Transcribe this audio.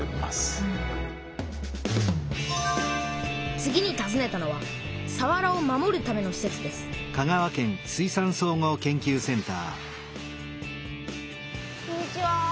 次にたずねたのはさわらを守るためのしせつですこんにちは。